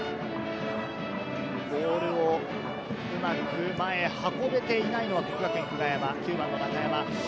ボールをうまく前へ運べていないのは國學院久我山、９番の中山。